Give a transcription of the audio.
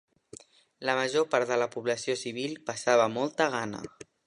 La major part de la població civil passava molta gana